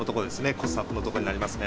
コストアップのところになりますね。